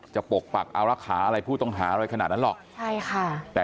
จะปกปักอะไรผู้ต่องหาร้ายขนาดนั้นหรอกใช่ค่ะ